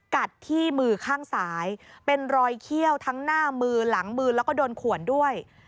กัดที่มือข้างซ้ายเป็นรอยเขี้ยวทั้งหน้ามือหลังมือแล้วก็โดนขวนด้วย